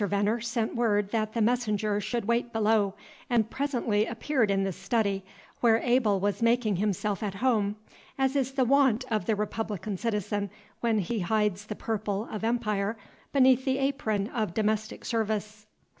Veneer sent word that the messenger should wait below, and presently appeared in the study, where Abel was making himself at home, as is the wont of the republican citizen, when he hides the purple of empire beneath the apron of domestic service.